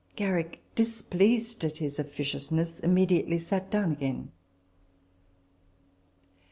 Garrick, dis pleased at his officiousness, immediately sat down again.